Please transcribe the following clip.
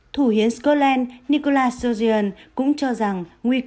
thủ hiến scotland nikola sbasian cũng cho rằng